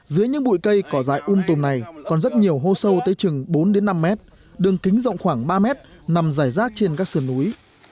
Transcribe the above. dưới những bụi cây cỏ dại um tùm này còn rất nhiều hô sâu tới chừng bốn năm mét đường kính rộng khoảng ba mét nằm dài rác trên các sườn núi